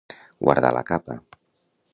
Guardar la capa.